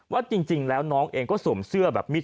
ว่าจริงแล้วน้องเองก็สวมเสื้อแบบมิด